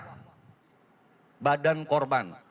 di bawah badan korban